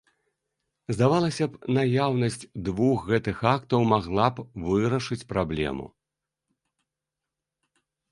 Здавалася б, наяўнасць двух гэтых актаў магла б вырашыць праблему.